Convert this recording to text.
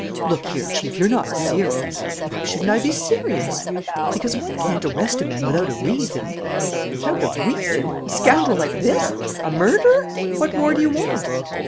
"Look here, Chief, you're not serious!" "Why shouldn't I be serious?" "Because one can't arrest a man without a reason." "Without a reason? A scoundrel like this? A murderer? What more do you want?"